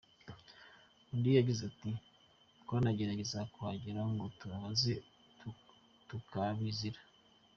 Undi yagize ati “ Twanageragezaga kuhagera ngo tubabaze tukabizira.